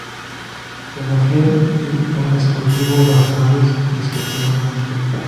Penafiel y al Desportivo das Aves, respectivamente.